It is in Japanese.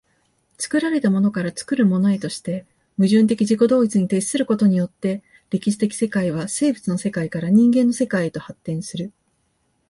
作られたものから作るものへとして、矛盾的自己同一に徹することによって、歴史的世界は生物の世界から人間の世界へと発展する。